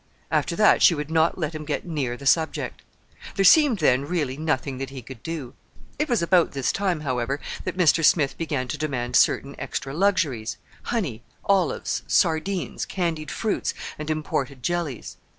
After that she would not let him get near the subject. There seemed then really nothing that he could do. It was about this time, however, that Mr. Smith began to demand certain extra luxuries—honey, olives, sardines, candied fruits, and imported jellies.